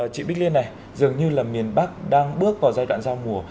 chị bích liên này dường như là miền bắc đang bước vào giai đoạn giao mùa